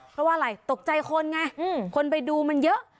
เพราะว่าอะไรตกใจคนไงคนไปดูมันเยอะ